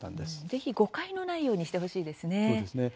ぜひ誤解のないようにしてほしいですね。